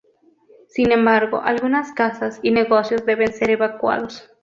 Sin embargo, algunas casas y negocios deben ser evacuados.